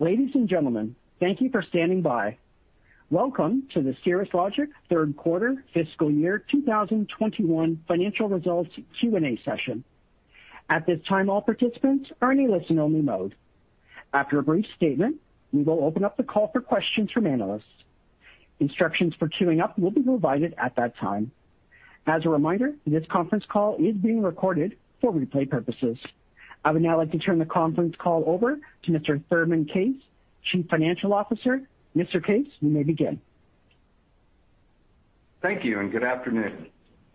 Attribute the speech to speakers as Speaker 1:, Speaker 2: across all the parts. Speaker 1: Ladies and gentlemen, thank you for standing by. Welcome to the Cirrus Logic Q3 FY 2021 financial results Q&A session. At this time, all participants are in a listen-only mode. After a brief statement, we will open up the call for questions from analysts. Instructions for queuing up will be provided at that time. As a reminder, this conference call is being recorded for replay purposes. I would now like to turn the conference call over to Mr. Thurman Case, Chief Financial Officer. Mr. Case, you may begin.
Speaker 2: Thank you, and good afternoon.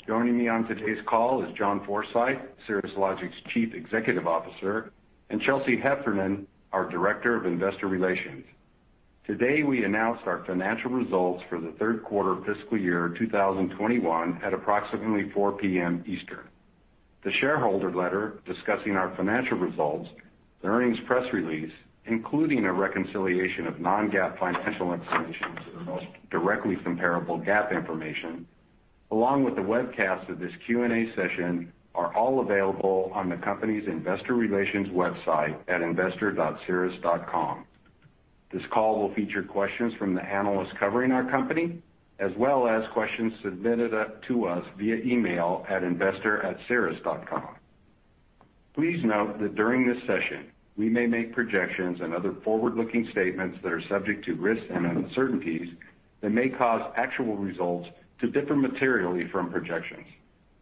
Speaker 2: Joining me on today's call is John Forsyth, Cirrus Logic's Chief Executive Officer, and Chelsea Heffernan, our Director of Investor Relations. Today, we announced our financial results for Q3 FY 2021 at approximately 4:00 P.M. Eastern. The shareholder letter discussing our financial results, the earnings press release, including a reconciliation of non-GAAP financial information to the most directly comparable GAAP information, along with the webcast of this Q&A session, are all available on the company's Investor Relations website at investor.cirrus.com. This call will feature questions from the analysts covering our company, as well as questions submitted to us via email at investor@cirrus.com. Please note that during this session, we may make projections and other forward-looking statements that are subject to risks and uncertainties that may cause actual results to differ materially from projections.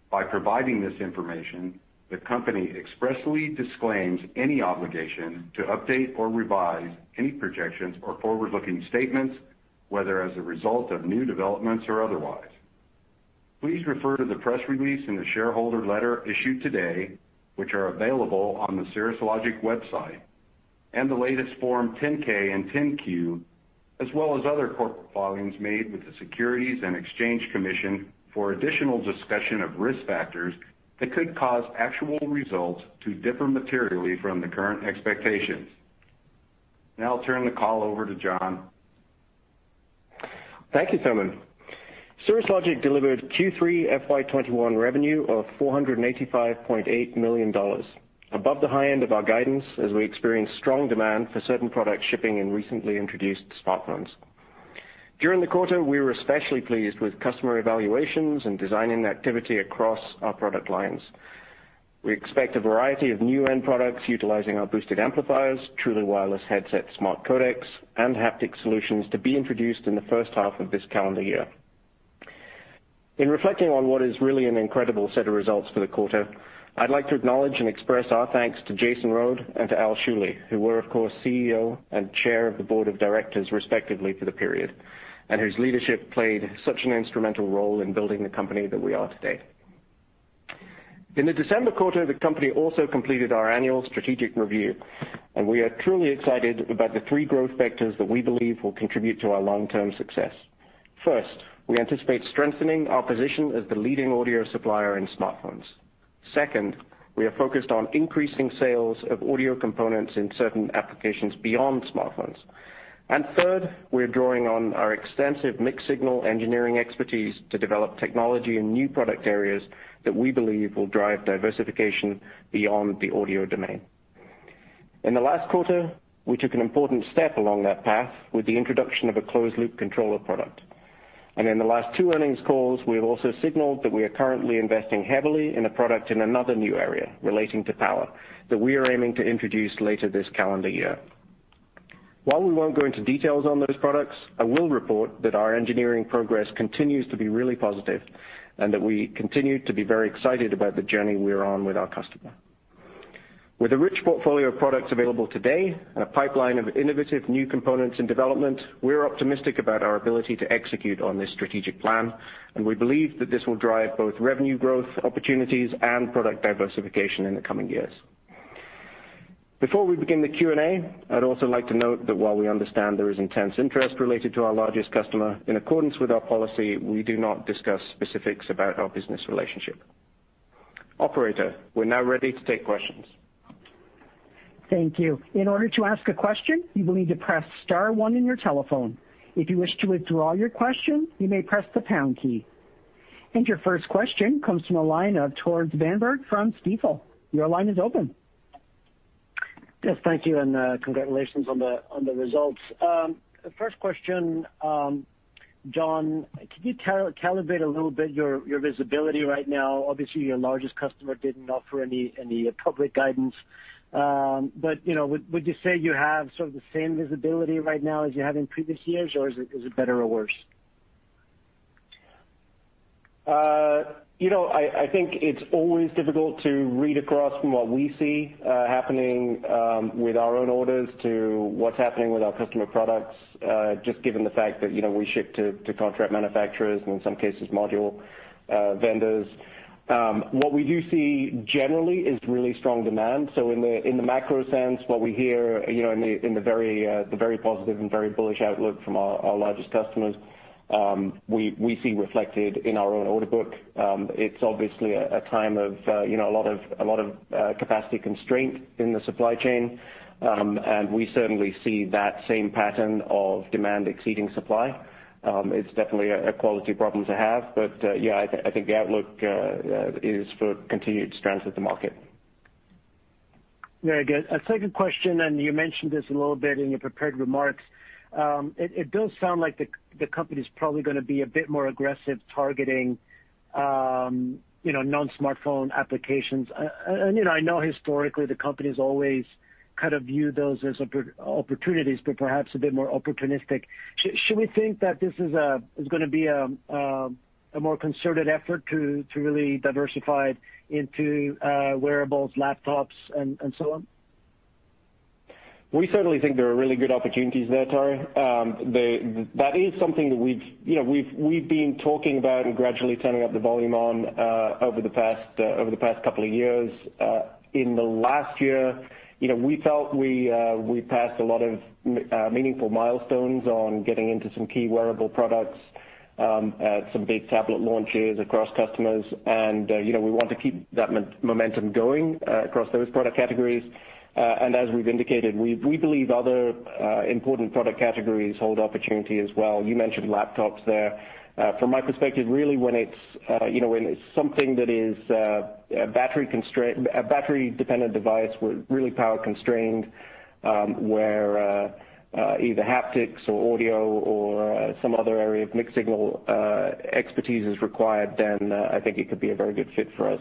Speaker 2: By providing this information, the company expressly disclaims any obligation to update or revise any projections or forward-looking statements, whether as a result of new developments or otherwise. Please refer to the press release and the shareholder letter issued today, which are available on the Cirrus Logic website, and the latest Form 10-K and Form 10-Q, as well as other corporate filings made with the Securities and Exchange Commission for additional discussion of risk factors that could cause actual results to differ materially from the current expectations. Now, I'll turn the call over to John.
Speaker 3: Thank you, Thurman. Cirrus Logic delivered Q3 FY 2021 revenue of $485.8 million, above the high end of our guidance as we experience strong demand for certain products shipping in recently introduced smartphones. During the quarter, we were especially pleased with customer evaluations and design activity across our product lines. We expect a variety of new end products utilizing our boosted amplifiers, truly wireless headsets, smart codecs, and haptic solutions to be introduced in the first half of this calendar year. In reflecting on what is really an incredible set of results for the quarter, I'd like to acknowledge and express our thanks to Jason Rhode and to Al Schuele, who were, of course, CEO and Chair of the Board of Directors, respectively, for the period, and whose leadership played such an instrumental role in building the company that we are today. In the December quarter, the company also completed our annual strategic review, and we are truly excited about the three growth factors that we believe will contribute to our long-term success. First, we anticipate strengthening our position as the leading audio supplier in smartphones. Second, we are focused on increasing sales of audio components in certain applications beyond smartphones. And third, we are drawing on our extensive mixed-signal engineering expertise to develop technology in new product areas that we believe will drive diversification beyond the audio domain. In the last quarter, we took an important step along that path with the introduction of a closed-loop controller product. And in the last two earnings calls, we have also signaled that we are currently investing heavily in a product in another new area relating to power that we are aiming to introduce later this calendar year. While we won't go into details on those products, I will report that our engineering progress continues to be really positive and that we continue to be very excited about the journey we are on with our customer. With a rich portfolio of products available today and a pipeline of innovative new components in development, we're optimistic about our ability to execute on this strategic plan, and we believe that this will drive both revenue growth opportunities and product diversification in the coming years. Before we begin the Q&A, I'd also like to note that while we understand there is intense interest related to our largest customer, in accordance with our policy, we do not discuss specifics about our business relationship. Operator, we're now ready to take questions.
Speaker 1: Thank you. In order to ask a question, you will need to press star one in your telephone. If you wish to withdraw your question, you may press the pound key. And your first question comes from a line of Tore Svanberg from Stifel. Your line is open.
Speaker 4: Yes, thank you, and congratulations on the results. First question, John, can you calibrate a little bit your visibility right now? Obviously, your largest customer didn't offer any public guidance, but would you say you have sort of the same visibility right now as you have in previous years, or is it better or worse?
Speaker 3: You know, I think it's always difficult to read across from what we see happening with our own orders to what's happening with our customer products, just given the fact that we ship to contract manufacturers and, in some cases, module vendors. What we do see generally is really strong demand. So in the macro sense, what we hear in the very positive and very bullish outlook from our largest customers, we see reflected in our own order book. It's obviously a time of a lot of capacity constraint in the supply chain, and we certainly see that same pattern of demand exceeding supply. It's definitely a quality problem to have, but yeah, I think the outlook is for continued strength of the market.
Speaker 4: Very good. A second question, and you mentioned this a little bit in your prepared remarks. It does sound like the company's probably going to be a bit more aggressive targeting non-smartphone applications. And I know historically the company's always kind of viewed those as opportunities, but perhaps a bit more opportunistic. Should we think that this is going to be a more concerted effort to really diversify into wearables, laptops, and so on?
Speaker 3: We certainly think there are really good opportunities there, Tore. That is something that we've been talking about and gradually turning up the volume on over the past couple of years. In the last year, we felt we passed a lot of meaningful milestones on getting into some key wearable products, some big tablet launches across customers, and we want to keep that momentum going across those product categories. And as we've indicated, we believe other important product categories hold opportunity as well. You mentioned laptops there. From my perspective, really when it's something that is a battery-dependent device with really power constrained, where either haptics or audio or some other area of mixed-signal expertise is required, then I think it could be a very good fit for us.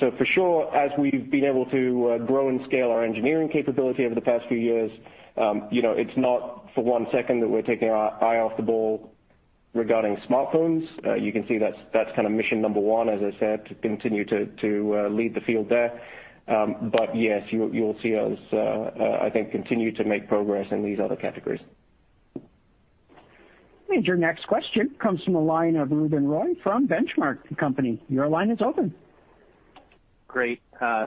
Speaker 3: So for sure, as we've been able to grow and scale our engineering capability over the past few years, it's not for one second that we're taking our eye off the ball regarding smartphones. You can see that's kind of mission number one, as I said, to continue to lead the field there. But yes, you'll see us, I think, continue to make progress in these other categories.
Speaker 1: Your next question comes from a line of Ruben Roy from Benchmark Company. Your line is open.
Speaker 5: Great.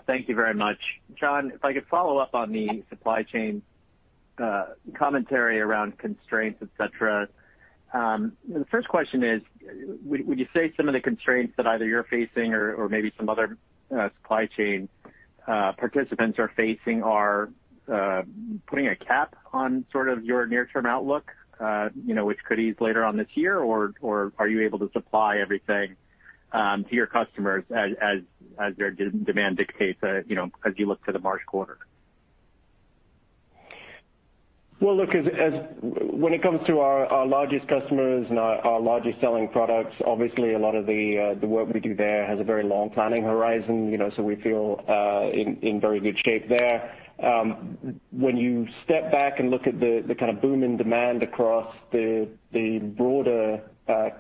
Speaker 5: Thank you very much. John, if I could follow up on the supply chain commentary around constraints, et cetera, the first question is, would you say some of the constraints that either you're facing or maybe some other supply chain participants are facing are putting a cap on sort of your near-term outlook, which could ease later on this year, or are you able to supply everything to your customers as their demand dictates as you look to the March quarter?
Speaker 3: Well, look, when it comes to our largest customers and our largest selling products, obviously a lot of the work we do there has a very long planning horizon, so we feel in very good shape there. When you step back and look at the kind of boom in demand across the broader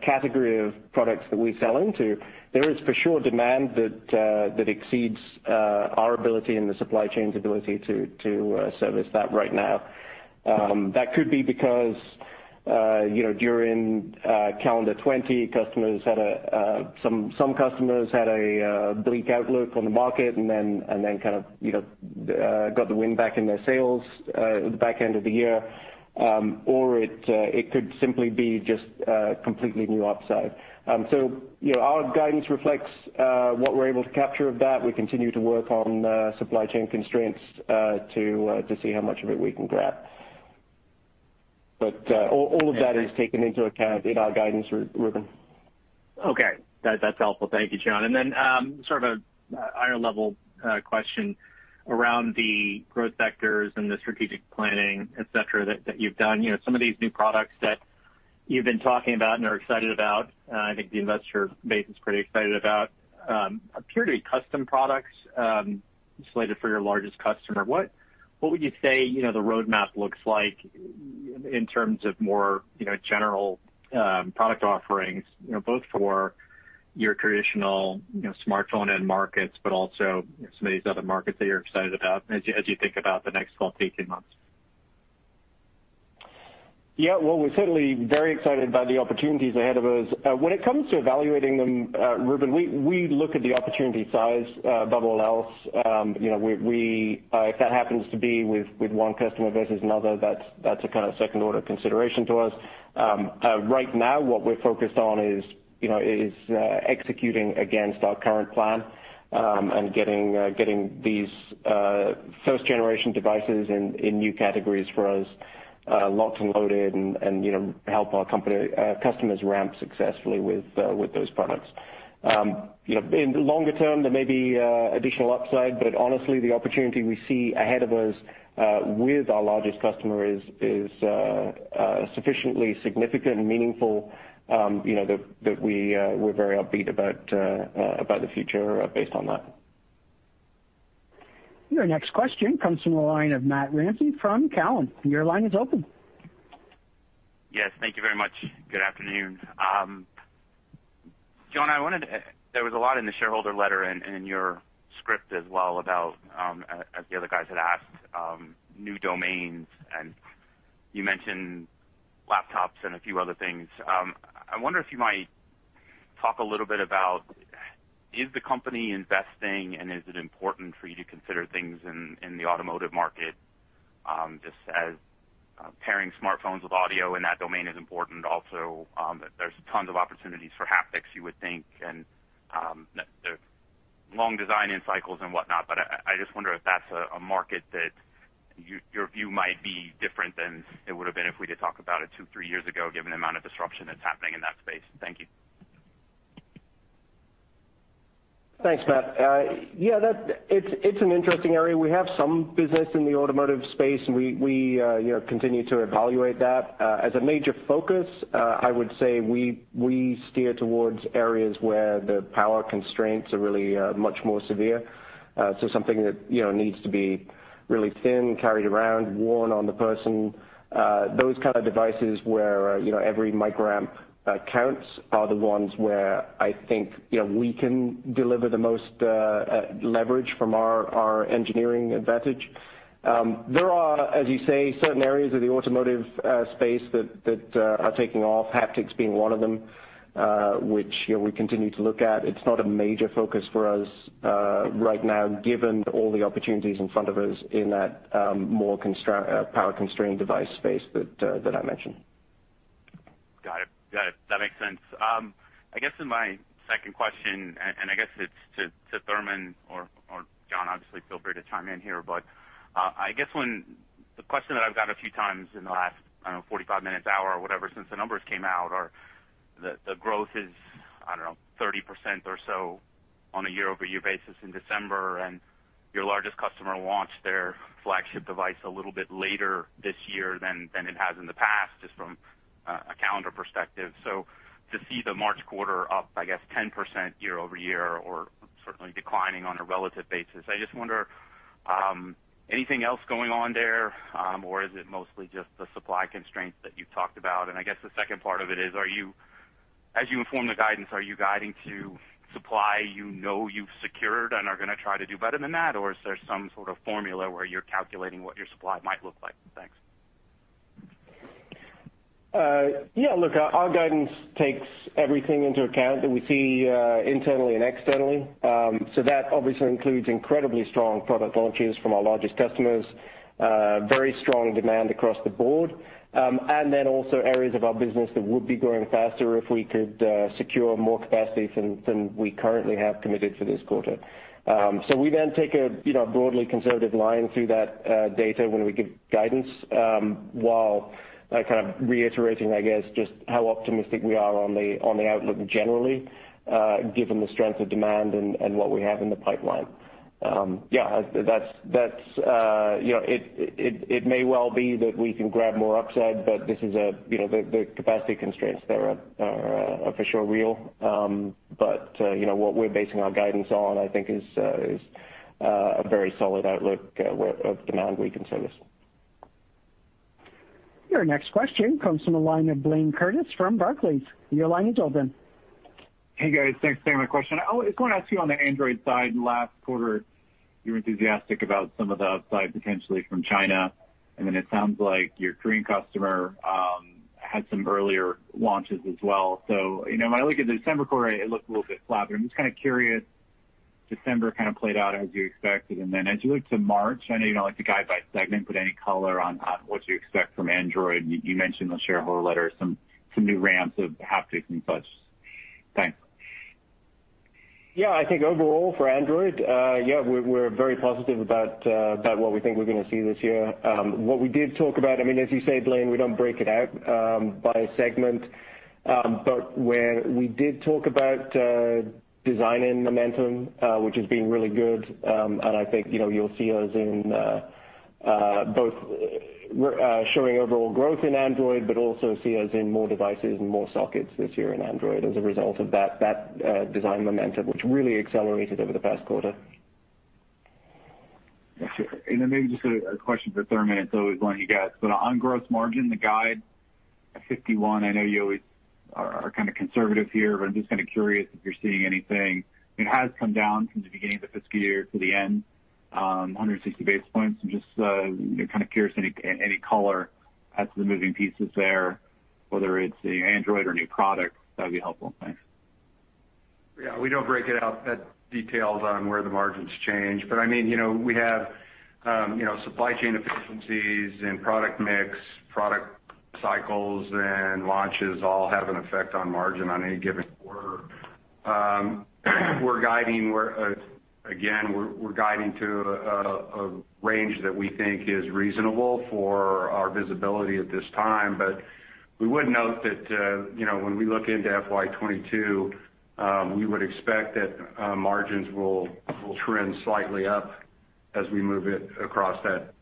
Speaker 3: category of products that we sell into, there is for sure demand that exceeds our ability and the supply chain's ability to service that right now. That could be because during calendar 2020, some customers had a bleak outlook on the market and then kind of got the wind back in their sails at the back end of the year, or it could simply be just completely new upside. So our guidance reflects what we're able to capture of that. We continue to work on supply chain constraints to see how much of it we can grab. But all of that is taken into account in our guidance, Ruben.
Speaker 5: Okay. That's helpful. Thank you, John. And then sort of a high-level question around the growth vectors and the strategic planning, et cetera, that you've done. Some of these new products that you've been talking about and are excited about, I think the investor base is pretty excited about, appear to be custom products slated for your largest customer. What would you say the roadmap looks like in terms of more general product offerings, both for your traditional smartphone end markets, but also some of these other markets that you're excited about as you think about the next 12 months-18 months?
Speaker 3: Yeah, well, we're certainly very excited by the opportunities ahead of us. When it comes to evaluating them, Ruben, we look at the opportunity size above all else. If that happens to be with one customer versus another, that's a kind of second-order consideration to us. Right now, what we're focused on is executing against our current plan and getting these first-generation devices in new categories for us locked and loaded and help our customers ramp successfully with those products. In the longer term, there may be additional upside, but honestly, the opportunity we see ahead of us with our largest customer is sufficiently significant and meaningful that we're very upbeat about the future based on that.
Speaker 1: Your next question comes from a line of Matt Ramsay from Cowen. Your line is open.
Speaker 6: Yes, thank you very much. Good afternoon. John, there was a lot in the shareholder letter and in your script as well about, as the other guys had asked, new domains, and you mentioned laptops and a few other things. I wonder if you might talk a little bit about, is the company investing and is it important for you to consider things in the automotive market just as pairing smartphones with audio in that domain is important? Also, there's tons of opportunities for haptics, you would think, and long design end cycles and whatnot, but I just wonder if that's a market that your view might be different than it would have been if we had talked about it two, three years ago, given the amount of disruption that's happening in that space. Thank you.
Speaker 3: Thanks, Matt. Yeah, it's an interesting area. We have some business in the automotive space, and we continue to evaluate that. As a major focus, I would say we steer towards areas where the power constraints are really much more severe. So something that needs to be really thin, carried around, worn on the person. Those kind of devices where every microamp counts are the ones where I think we can deliver the most leverage from our engineering advantage. There are, as you say, certain areas of the automotive space that are taking off, haptics being one of them, which we continue to look at. It's not a major focus for us right now, given all the opportunities in front of us in that more power-constrained device space that I mentioned.
Speaker 6: Got it. Got it. That makes sense. I guess in my second question, and I guess it's to Thurman or John, obviously, feel free to chime in here, but I guess the question that I've gotten a few times in the last 45 minutes, hour, or whatever since the numbers came out, or the growth is, I don't know, 30% or so on a year-over-year basis in December, and your largest customer launched their flagship device a little bit later this year than it has in the past, just from a calendar perspective. So to see the March quarter up, I guess, 10% year-over-year or certainly declining on a relative basis, I just wonder, anything else going on there, or is it mostly just the supply constraints that you've talked about? I guess the second part of it is, as you inform the guidance, are you guiding to supply you know you've secured and are going to try to do better than that, or is there some sort of formula where you're calculating what your supply might look like? Thanks.
Speaker 3: Yeah, look, our guidance takes everything into account that we see internally and externally. So that obviously includes incredibly strong product launches from our largest customers, very strong demand across the board, and then also areas of our business that would be growing faster if we could secure more capacity than we currently have committed for this quarter. So we then take a broadly conservative line through that data when we give guidance while kind of reiterating, I guess, just how optimistic we are on the outlook generally, given the strength of demand and what we have in the pipeline. Yeah, it may well be that we can grab more upside, but this is the capacity constraints there are for sure real. But what we're basing our guidance on, I think, is a very solid outlook of demand we can service.
Speaker 1: Your next question comes from a line of Blayne Curtis from Barclays. Your line is open.
Speaker 7: Hey, guys. Thanks for my question. I was going to ask you on the Android side, last quarter, you were enthusiastic about some of the upside potentially from China, and then it sounds like your Korean customer had some earlier launches as well. So when I look at December quarter, it looked a little bit flat, but I'm just kind of curious. December kind of played out as you expected, and then as you look to March, I know you don't like to guide by segment, but any color on what you expect from Android? You mentioned in the shareholder letter some new ramps of haptics and such. Thanks.
Speaker 3: Yeah, I think overall for Android, yeah, we're very positive about what we think we're going to see this year. What we did talk about, I mean, as you say, Blaine, we don't break it out by segment, but we did talk about design and momentum, which has been really good, and I think you'll see us in both showing overall growth in Android, but also see us in more devices and more sockets this year in Android as a result of that design momentum, which really accelerated over the past quarter.
Speaker 7: And then maybe just a question for Thurman. It's always one of you guys. But on gross margin, the guide, 51%. I know you always are kind of conservative here, but I'm just kind of curious if you're seeing anything. It has come down from the beginning of the fiscal year to the end, 160 basis points. I'm just kind of curious any color as to the moving pieces there, whether it's the Android or new products. That would be helpful. Thanks.
Speaker 2: Yeah, we don't break it out that detailed on where the margins change, but I mean, we have supply chain efficiencies and product mix, product cycles, and launches all have an effect on margin on any given quarter. Again, we're guiding to a range that we think is reasonable for our visibility at this time, but we would note that when we look into FY 2022, we would expect that margins will trend slightly up as we move it across that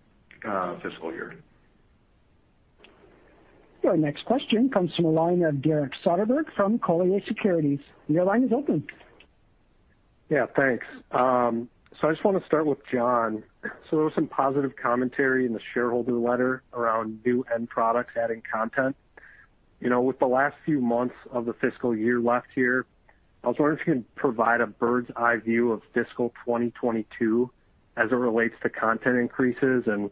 Speaker 2: fiscal year.
Speaker 1: Your next question comes from a line of Derek Soderberg from Colliers Securities. Your line is open.
Speaker 8: Yeah, thanks, so I just want to start with John, so there was some positive commentary in the shareholder letter around new end products adding content. With the last few months of the fiscal year left here, I was wondering if you could provide a bird's-eye view of fiscal 2022 as it relates to content increases and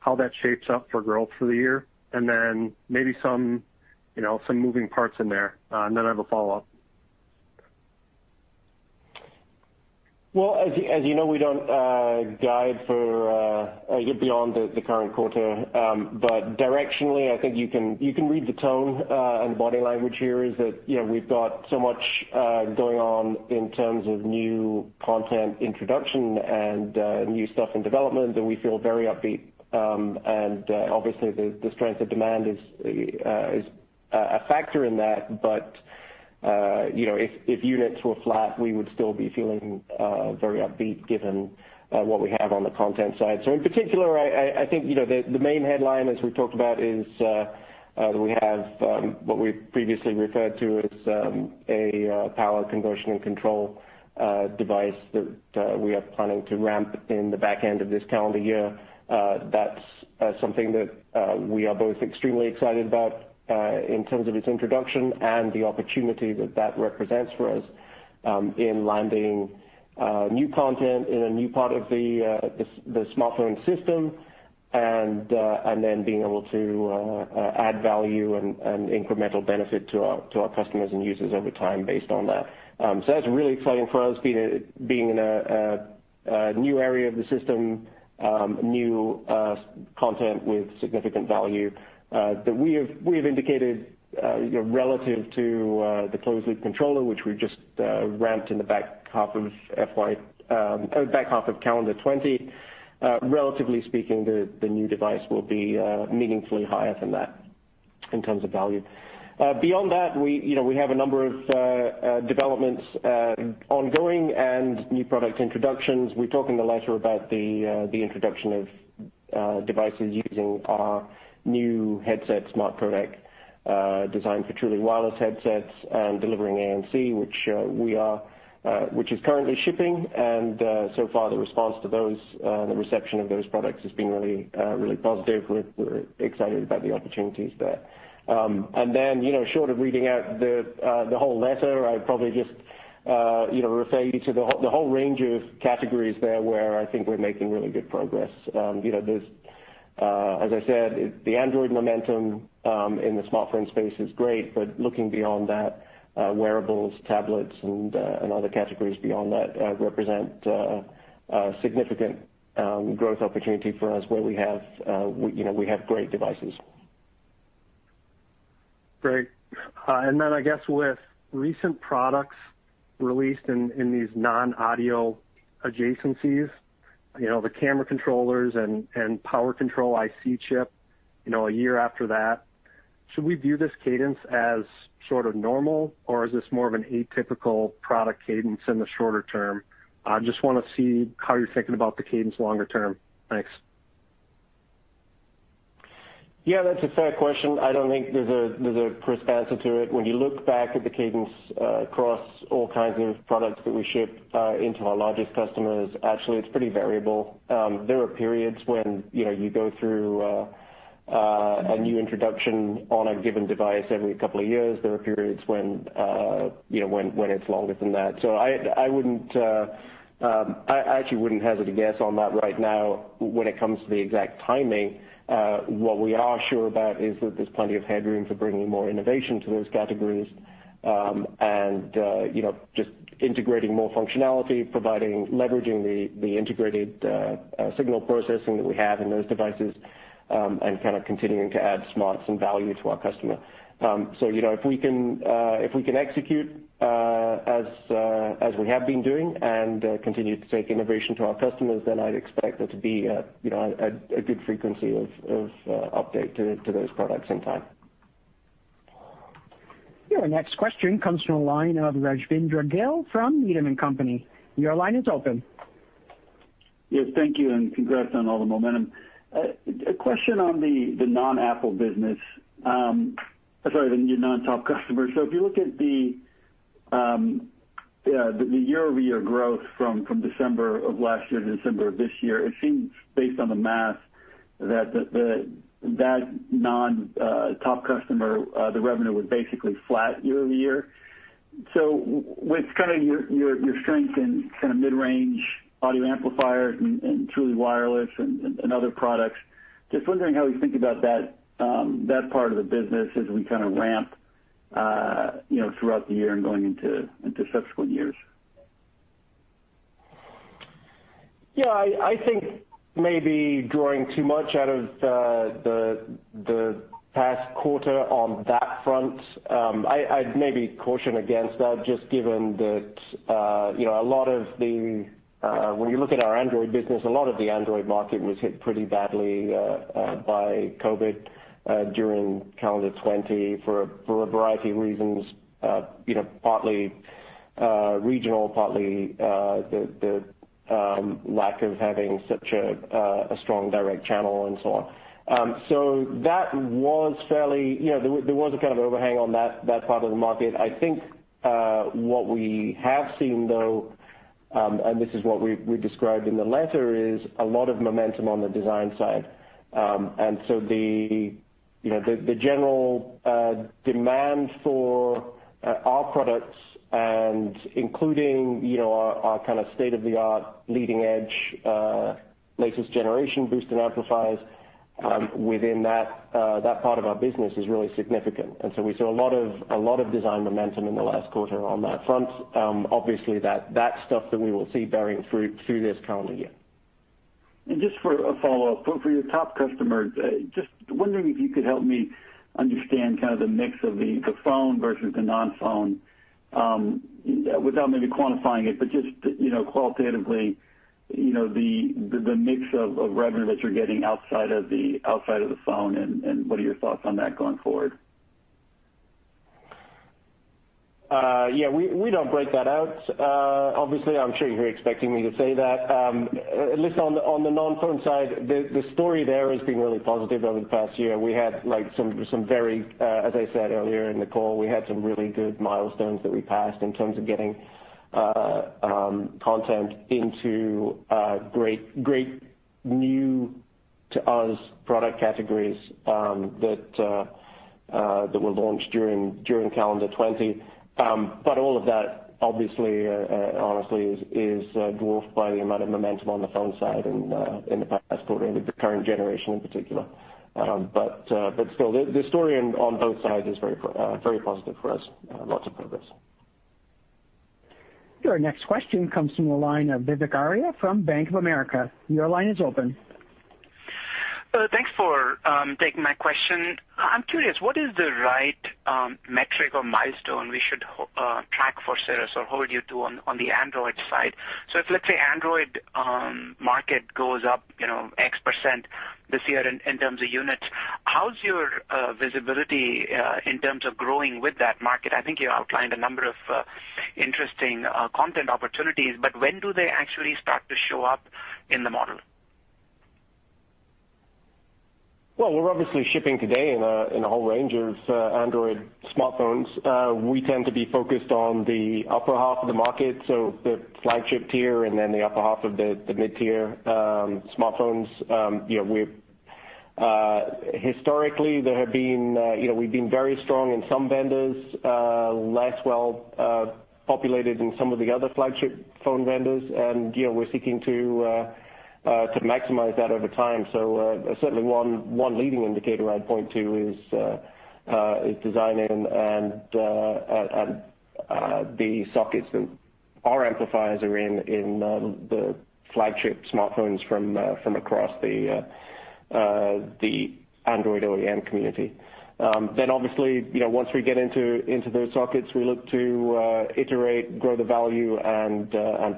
Speaker 8: how that shapes up for growth for the year, and then maybe some moving parts in there, and then I have a follow-up.
Speaker 3: As you know, we don't guide for beyond the current quarter, but directionally, I think you can read the tone and the body language here, is that we've got so much going on in terms of new content introduction and new stuff in development, and we feel very upbeat, and obviously, the strength of demand is a factor in that, but if units were flat, we would still be feeling very upbeat given what we have on the content side. In particular, I think the main headline, as we talked about, is that we have what we previously referred to as a power conversion and control device that we are planning to ramp in the back end of this calendar year. That's something that we are both extremely excited about in terms of its introduction and the opportunity that that represents for us in landing new content in a new part of the smartphone system and then being able to add value and incremental benefit to our customers and users over time based on that. So that's really exciting for us, being in a new area of the system, new content with significant value that we have indicated relative to the closed-loop controller, which we've just ramped in the back half of calendar 2020. Relatively speaking, the new device will be meaningfully higher than that in terms of value. Beyond that, we have a number of developments ongoing and new product introductions. We talk in the letter about the introduction of devices using our new headset, smart codec, designed for truly wireless headsets and delivering ANC, which is currently shipping. And so far, the response to those and the reception of those products has been really positive. We're excited about the opportunities there. And then, short of reading out the whole letter, I'd probably just refer you to the whole range of categories there where I think we're making really good progress. As I said, the Android momentum in the smartphone space is great, but looking beyond that, wearables, tablets, and other categories beyond that represent significant growth opportunity for us where we have great devices.
Speaker 8: Great. And then I guess with recent products released in these non-audio adjacencies, the camera controllers and power control IC chip a year after that, should we view this cadence as sort of normal, or is this more of an atypical product cadence in the shorter term? I just want to see how you're thinking about the cadence longer term. Thanks.
Speaker 2: Yeah, that's a fair question. I don't think there's a crisp answer to it. When you look back at the cadence across all kinds of products that we ship into our largest customers, actually, it's pretty variable. There are periods when you go through a new introduction on a given device every couple of years. There are periods when it's longer than that. So I actually wouldn't hesitate to guess on that right now. When it comes to the exact timing, what we are sure about is that there's plenty of headroom for bringing more innovation to those categories and just integrating more functionality, leveraging the integrated signal processing that we have in those devices, and kind of continuing to add smarts and value to our customer. So if we can execute as we have been doing and continue to take innovation to our customers, then I'd expect there to be a good frequency of update to those products in time.
Speaker 1: Your next question comes from a line of Rajvindra Gill from Needham & Company. Your line is open.
Speaker 9: Yes, thank you, and congrats on all the momentum. A question on the non-Apple business. Sorry, the non-top customer. So if you look at the year-over-year growth from December of last year to December of this year, it seems, based on the math, that that non-top customer, the revenue was basically flat year-over-year. So with kind of your strength in kind of mid-range audio amplifiers and truly wireless and other products, just wondering how you think about that part of the business as we kind of ramp throughout the year and going into subsequent years.
Speaker 3: Yeah, I think maybe drawing too much out of the past quarter on that front. I'd maybe caution against that, just given that a lot of the, when you look at our Android business, a lot of the Android market was hit pretty badly by COVID during calendar 2020 for a variety of reasons, partly regional, partly the lack of having such a strong direct channel and so on. So that was fairly, there was a kind of overhang on that part of the market. I think what we have seen, though, and this is what we described in the letter, is a lot of momentum on the design side. And so the general demand for our products, including our kind of state-of-the-art, leading-edge, latest-generation boosted amplifiers within that part of our business is really significant. And so we saw a lot of design momentum in the last quarter on that front. Obviously, that stuff that we will see bearing through this calendar year.
Speaker 9: And just for a follow-up, for your top customers, just wondering if you could help me understand kind of the mix of the phone versus the non-phone, without maybe quantifying it, but just qualitatively, the mix of revenue that you're getting outside of the phone, and what are your thoughts on that going forward?
Speaker 2: Yeah, we don't break that out. Obviously, I'm sure you're expecting me to say that. At least on the non-phone side, the story there has been really positive over the past year. We had some very, as I said earlier in the call, we had some really good milestones that we passed in terms of getting content into great new-to-us product categories that were launched during calendar 2020. But all of that, obviously, honestly, is dwarfed by the amount of momentum on the phone side in the past quarter, with the current generation in particular. But still, the story on both sides is very positive for us. Lots of progress.
Speaker 1: Your next question comes from a line of Vivek Arya from Bank of America. Your line is open.
Speaker 10: Thanks for taking my question. I'm curious, what is the right metric or milestone we should track for Cirrus or hold you to on the Android side? So if, let's say, Android market goes up X% this year in terms of units, how's your visibility in terms of growing with that market? I think you outlined a number of interesting content opportunities, but when do they actually start to show up in the model?
Speaker 3: We're obviously shipping today in a whole range of Android smartphones. We tend to be focused on the upper half of the market, so the flagship tier and then the upper half of the mid-tier smartphones. Historically, we've been very strong in some vendors, less well-populated in some of the other flagship phone vendors, and we're seeking to maximize that over time. Certainly, one leading indicator I'd point to is design and the sockets that our amplifiers are in in the flagship smartphones from across the Android OEM community. Obviously, once we get into those sockets, we look to iterate, grow the value, and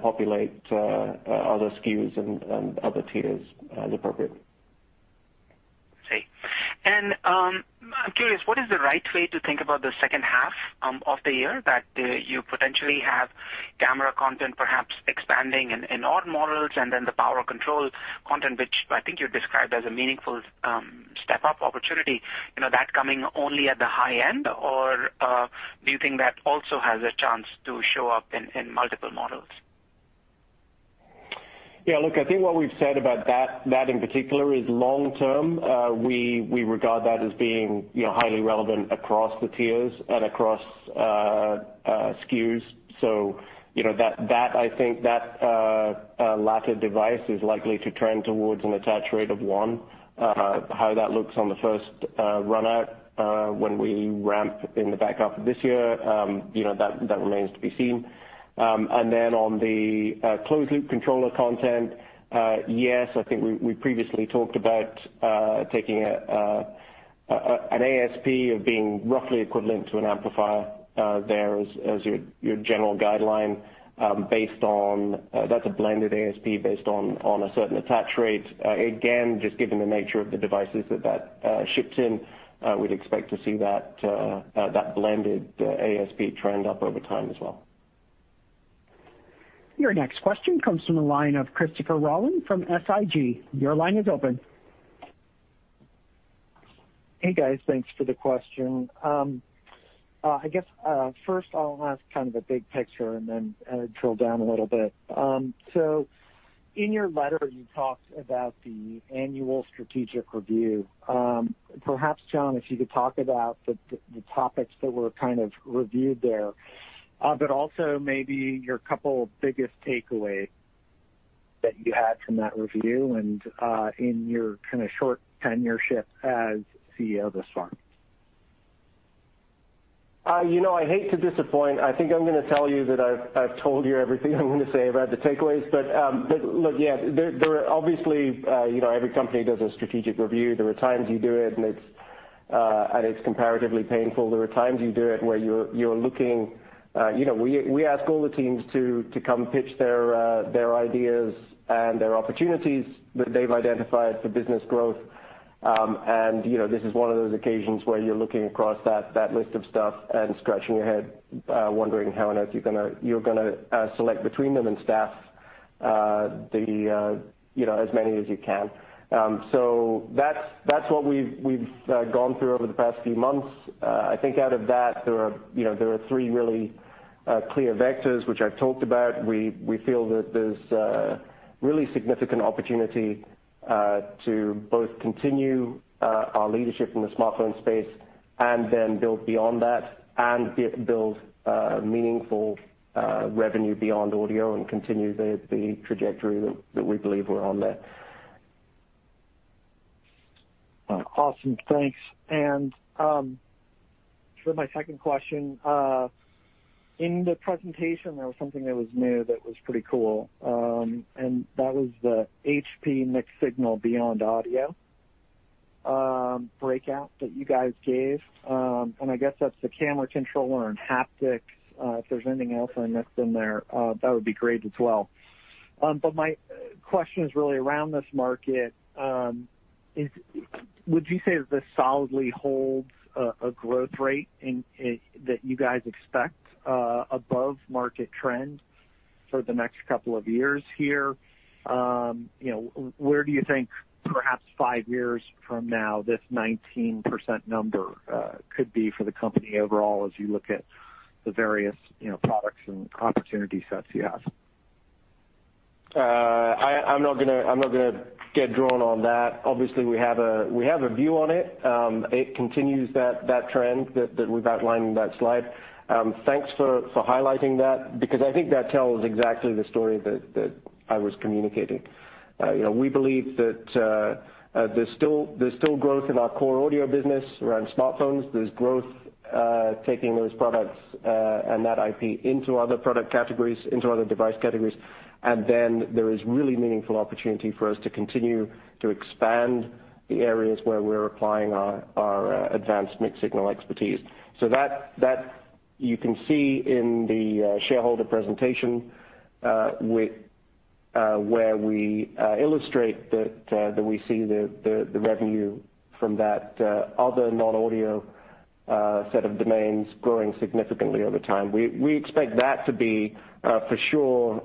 Speaker 3: populate other SKUs and other tiers as appropriate.
Speaker 10: I see. And I'm curious, what is the right way to think about the second half of the year that you potentially have camera content perhaps expanding in odd models and then the power control content, which I think you described as a meaningful step-up opportunity? That coming only at the high end, or do you think that also has a chance to show up in multiple models?
Speaker 2: Yeah, look, I think what we've said about that in particular is long-term. We regard that as being highly relevant across the tiers and across SKUs. So I think that latter device is likely to trend towards an attach rate of one. How that looks on the first run-out when we ramp in the back half of this year, that remains to be seen. And then on the closed-loop controller content, yes, I think we previously talked about taking an ASP as being roughly equivalent to an amplifier there as your general guideline based on that it's a blended ASP based on a certain attach rate. Again, just given the nature of the devices that that ships in, we'd expect to see that blended ASP trend up over time as well.
Speaker 1: Your next question comes from a line of Christopher Rolland from SIG. Your line is open.
Speaker 11: Hey, guys. Thanks for the question. I guess first, I'll ask kind of a big picture and then drill down a little bit. So in your letter, you talked about the annual strategic review. Perhaps, John, if you could talk about the topics that were kind of reviewed there, but also maybe your couple biggest takeaways that you had from that review and in your kind of short tenure ship as CEO of this firm.
Speaker 3: You know, I hate to disappoint. I think I'm going to tell you that I've told you everything I'm going to say about the takeaways. But look, yeah, obviously, every company does a strategic review. There are times you do it, and it's comparatively painful. There are times you do it where you're looking. We ask all the teams to come pitch their ideas and their opportunities that they've identified for business growth. And this is one of those occasions where you're looking across that list of stuff and scratching your head, wondering how on earth you're going to select between them and staff as many as you can. So that's what we've gone through over the past few months. I think out of that, there are three really clear vectors, which I've talked about. We feel that there's really significant opportunity to both continue our leadership in the smartphone space and then build beyond that and build meaningful revenue beyond audio and continue the trajectory that we believe we're on there.
Speaker 11: Awesome. Thanks. And for my second question, in the presentation, there was something that was new that was pretty cool. And that was the HP NexSignal Beyond Audio breakout that you guys gave. And I guess that's the camera controller and haptics. If there's anything else I missed in there, that would be great as well. But my question is really around this market. Would you say that this solidly holds a growth rate that you guys expect above market trend for the next couple of years here? Where do you think perhaps five years from now, this 19% number could be for the company overall as you look at the various products and opportunity sets you have?
Speaker 3: I'm not going to get drawn on that. Obviously, we have a view on it. It continues that trend that we've outlined in that slide. Thanks for highlighting that because I think that tells exactly the story that I was communicating. We believe that there's still growth in our core audio business around smartphones. There's growth taking those products and that IP into other product categories, into other device categories. And then there is really meaningful opportunity for us to continue to expand the areas where we're applying our advanced NexSignal expertise. So that you can see in the shareholder presentation where we illustrate that we see the revenue from that other non-audio set of domains growing significantly over time. We expect that to be for sure.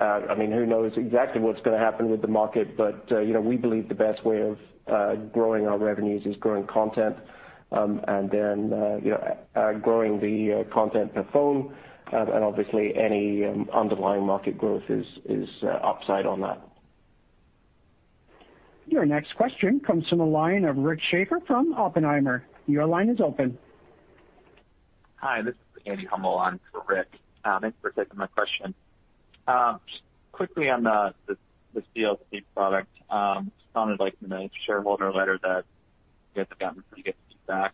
Speaker 3: I mean, who knows exactly what's going to happen with the market, but we believe the best way of growing our revenues is growing content and then growing the content per phone, and obviously, any underlying market growth is upside on that.
Speaker 1: Your next question comes from a line of Rick Schafer from Oppenheimer. Your line is open.
Speaker 12: Hi, this is Andy Hummel. I'm for Rick. Thanks for taking my question. Just quickly on this CLC product, it sounded like in the shareholder letter that you guys have gotten pretty good feedback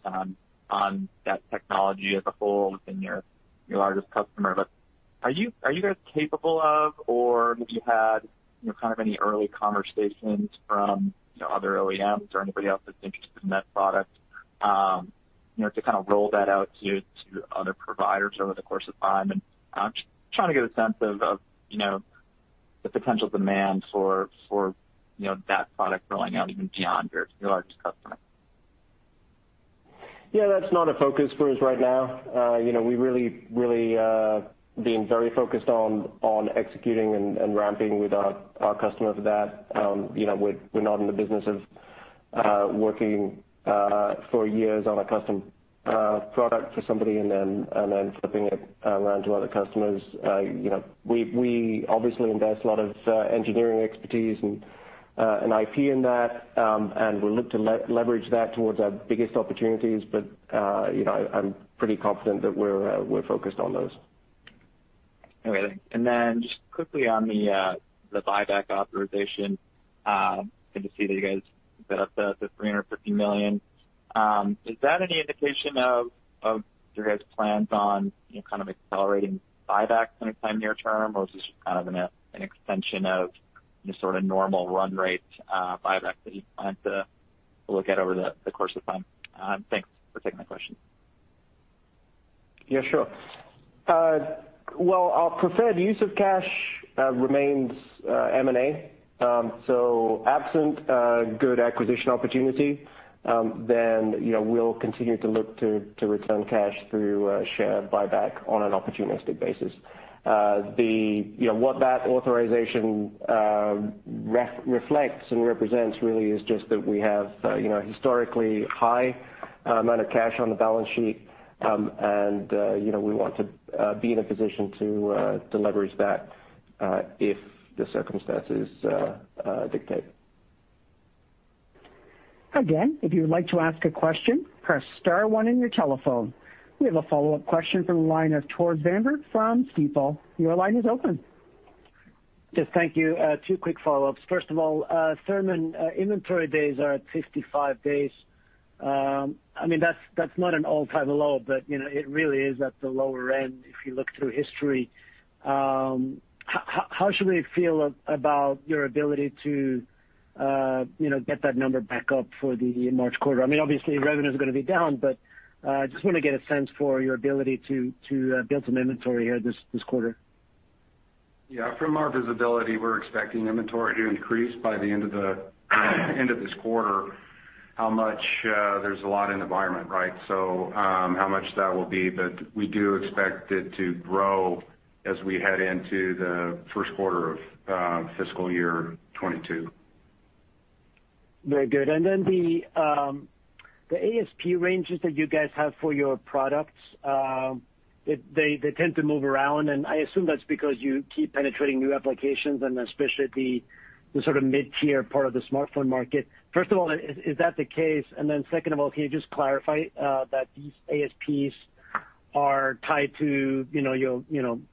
Speaker 12: on that technology as a whole within your largest customer. But are you guys capable of, or have you had kind of any early conversations from other OEMs or anybody else that's interested in that product to kind of roll that out to other providers over the course of time? And I'm just trying to get a sense of the potential demand for that product rolling out even beyond your largest customer.
Speaker 3: Yeah, that's not a focus for us right now. We really being very focused on executing and ramping with our customers of that. We're not in the business of working for years on a custom product for somebody and then flipping it around to other customers. We obviously invest a lot of engineering expertise and IP in that, and we'll look to leverage that towards our biggest opportunities. But I'm pretty confident that we're focused on those.
Speaker 12: All right. And then just quickly on the buyback authorization, I can see that you guys set up the $350 million. Is that any indication of your guys' plans on kind of accelerating buybacks anytime near term, or is this just kind of an extension of the sort of normal run rate buyback that you plan to look at over the course of time? Thanks for taking my question.
Speaker 3: Yeah, sure. Well, our preferred use of cash remains M&A. So absent good acquisition opportunity, then we'll continue to look to return cash through share buyback on an opportunistic basis. What that authorization reflects and represents really is just that we have historically high amount of cash on the balance sheet, and we want to be in a position to leverage that if the circumstances dictate.
Speaker 1: Again, if you'd like to ask a question, press star one in your telephone. We have a follow-up question from a line of Tore Svanberg from Stifel. Your line is open.
Speaker 4: Just thank you. Two quick follow-ups. First of all, Thurman, inventory days are at 55 days. I mean, that's not an all-time low, but it really is at the lower end if you look through history. How should we feel about your ability to get that number back up for the March quarter? I mean, obviously, revenue is going to be down, but I just want to get a sense for your ability to build some inventory here this quarter.
Speaker 2: Yeah. From our visibility, we're expecting inventory to increase by the end of this quarter. There's a lot in the environment, right? So how much that will be, but we do expect it to grow as we head into the first quarter of fiscal year 2022.
Speaker 4: Very good. And then the ASP ranges that you guys have for your products, they tend to move around, and I assume that's because you keep penetrating new applications and especially the sort of mid-tier part of the smartphone market. First of all, is that the case? And then second of all, can you just clarify that these ASPs are tied to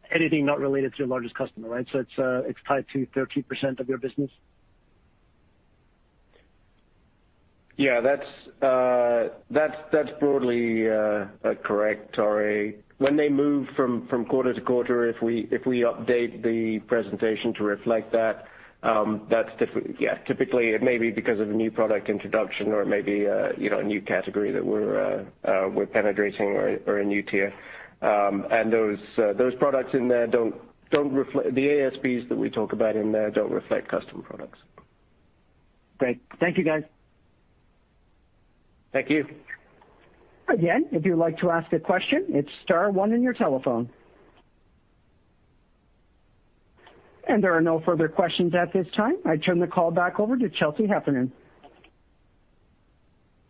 Speaker 4: anything not related to your largest customer, right? So it's tied to 13% of your business?
Speaker 3: Yeah, that's broadly correct, Tore. When they move from quarter to quarter, if we update the presentation to reflect that, yeah, typically it may be because of a new product introduction or maybe a new category that we're penetrating or a new tier. And those products in there, the ASPs that we talk about in there, don't reflect custom products.
Speaker 4: Great. Thank you, guys.
Speaker 3: Thank you.
Speaker 1: Again, if you'd like to ask a question, it's star one in your telephone. And there are no further questions at this time. I turn the call back over to Chelsea Heffernan.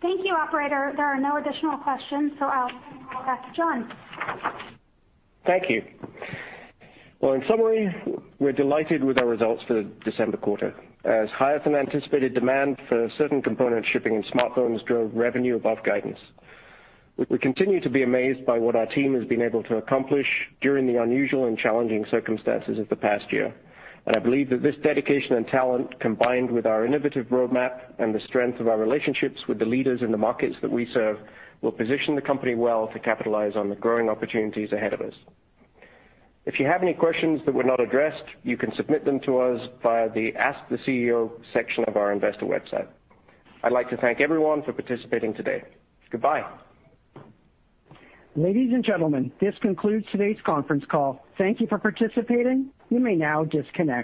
Speaker 13: Thank you, Operator. There are no additional questions, so I'll pass to John.
Speaker 3: Thank you. Well, in summary, we're delighted with our results for the December quarter. As higher-than-anticipated demand for certain components shipping in smartphones drove revenue above guidance. We continue to be amazed by what our team has been able to accomplish during the unusual and challenging circumstances of the past year, and I believe that this dedication and talent combined with our innovative roadmap and the strength of our relationships with the leaders in the markets that we serve will position the company well to capitalize on the growing opportunities ahead of us. If you have any questions that were not addressed, you can submit them to us via the Ask the CEO section of our investor website. I'd like to thank everyone for participating today. Goodbye.
Speaker 1: Ladies and gentlemen, this concludes today's conference call. Thank you for participating. You may now disconnect.